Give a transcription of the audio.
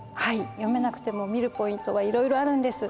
読めなくても見るポイントはいろいろあるんです。